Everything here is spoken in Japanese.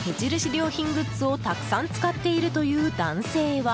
良品グッズをたくさん使っているという男性は。